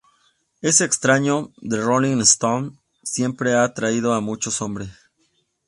Es extraño, The Rolling Stones siempre han atraído a muchos hombres...